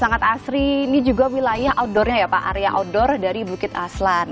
sangat asri ini juga wilayah outdoornya ya pak area outdoor dari bukit aslan